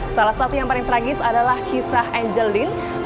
salah satu yang paling tragis adalah kisah angelin